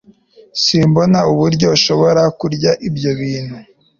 simbona uburyo ushobora kurya ibyo bintu